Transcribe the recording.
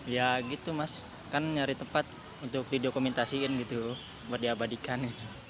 ya gitu mas kan nyari tempat untuk didokumentasiin gitu buat diabadikan